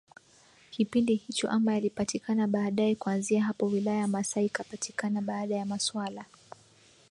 kipindi hicho ama yalipatikana baadae Kuanzia hapo wilaya ya Masai ikapatikana Baada ya maswala